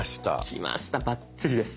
きましたバッチリです！